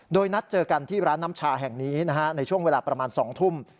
โดยนัดเจอกันที่ร้านน้ำชาแห่งนี้ในช่วงเวลาประมาณ๒ทุ่ม